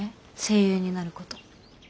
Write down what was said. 声優になること。